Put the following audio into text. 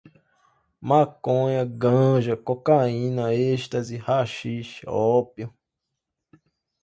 Maconha, ganja, cocaína, ecstasy, haxixe, ópio